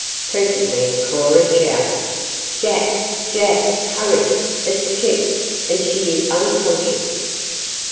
Presently Cora shouted "Jack! Jack! Hurry! It's Clip! And she is unconscious!"